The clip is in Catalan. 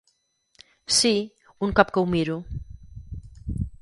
Sí, un cop que ho miro.